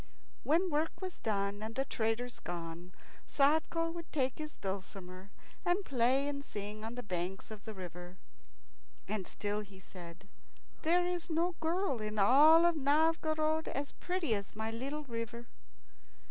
When work was done and the traders gone, Sadko would take his dulcimer and play and sing on the banks of the river. And still he said, "There is no girl in all Novgorod as pretty as my little river."